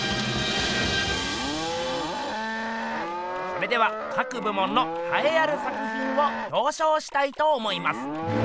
それでは各部門のはえある作品をひょうしょうしたいと思います。